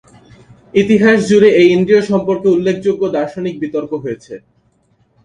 ইতিহাস জুড়ে এই ইন্দ্রিয় সম্পর্কে উল্লেখযোগ্য দার্শনিক বিতর্ক হয়েছে।